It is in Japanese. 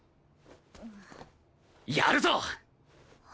やるぞ！